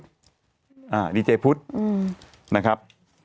หร่ะดีเจ้พุทธนะครับ